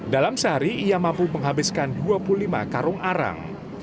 dalam sehari ia mampu menghabiskan dua puluh lima karung arang